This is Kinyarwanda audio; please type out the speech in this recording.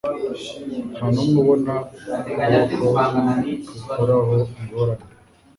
Nta numwe ubona ukuboko gukuraho ingorane,